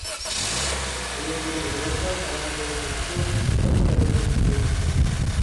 ھېلىقى رىياكار ھارامزادىنى تۇتۇپ، قىرىق دەررە ئۇرۇشنى بۇيرۇپتۇ.